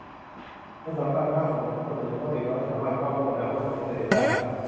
มันสำคัญมากสำหรับทุกคนโดยเฉพาะเด็กน้อยสามารถเข้าร่วมอนาคตของอินเทอร์เน็ตได้